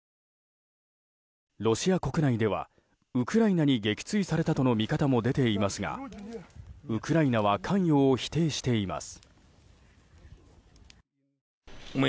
ロシア国内ではウクライナに撃墜されたとの見方も出ていますがウクライナは関与を否定しています。